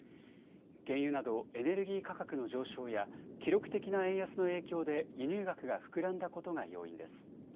原油などエネルギー価格の上昇や記録的な円安の影響で輸入額が膨らんだことが要因です。